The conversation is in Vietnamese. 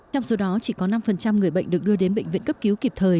trong số đó chỉ có năm người bệnh được đưa đến bệnh viện cấp cứu kịp thời